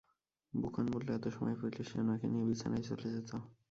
বুকান বলল এত সময় পাইলে সে উনাকে নিয়ে বিছানায় চলে যেত।